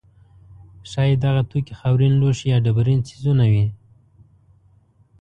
ښایي دغه توکي خاورین لوښي یا ډبرین څیزونه وي.